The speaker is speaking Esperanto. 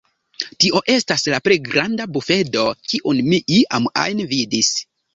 Tio estas la plej granda bufedo kiun mi iam ajn vidis.